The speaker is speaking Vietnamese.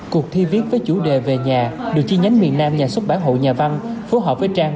cuộc thi viết với chủ đề về nhà được chi nhánh miền nam nhà xuất bản hộ nhà văn phối hợp với trang